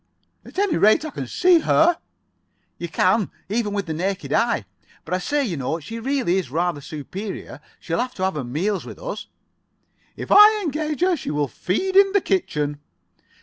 "At any rate, I can see her." [Pg 52]"You can, even with the naked eye. But I say, you know, she really is rather superior. She'll have to have her meals with us." "If I engage her, she will feed in the kitchen."